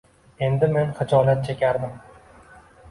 Endi men xijolat chekardim